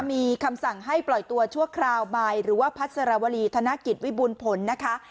มีคำสั่งให้ปล่อยตัวชั่วคราวใหม่หรือว่าพัสรวรีธนกิจวิบูรณผลนะคะ